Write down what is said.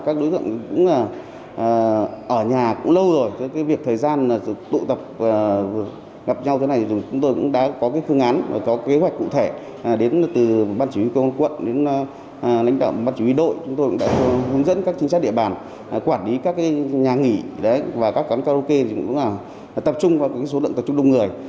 các đối tượng cũng là ở nhà cũng lâu rồi cái việc thời gian tụ tập gặp nhau thế này thì chúng tôi cũng đã có cái khương án và có kế hoạch cụ thể đến từ bàn chỉ huy công an quận đến lãnh đạo bàn chỉ huy đội chúng tôi cũng đã hướng dẫn các chính sách địa bàn quản lý các nhà nghỉ và các quán karaoke chúng tôi cũng là tập trung vào số lượng tập trung đông người